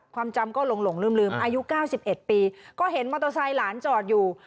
ความจำก็หลงหลงลืมลืมอายุเก้าสิบเอ็ดปีก็เห็นมอเตอร์ไซด์หลานจอดอยู่